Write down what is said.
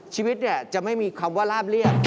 ชีวิตจะไม่มีคำว่าร่ามเรียบ